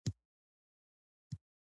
پۀ پخلي ځائے کښې پۀ ولاړه کار کوي